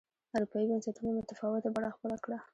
اروپايي بنسټونو متفاوته بڼه خپله کړه.